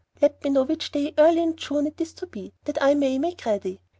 Only let me know which day "early in June" it is to be, that I may make ready.